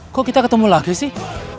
kok kita ketemu lagi sih